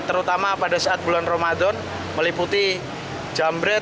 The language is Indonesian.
terutama pada saat bulan ramadan meliputi jambret